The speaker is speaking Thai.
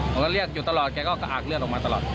พอเรียกอยู่ตลอดยายก็กะอากเลือดออกมาตลอด